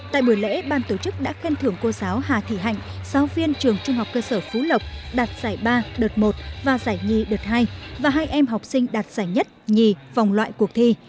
tại buổi lễ ban tổ chức đã khen thưởng cô giáo hà thị hạnh giáo viên trường trung học cơ sở phú lộc đạt giải ba đợt một và giải nhì đợt hai và hai em học sinh đạt giải nhất nhì vòng loại cuộc thi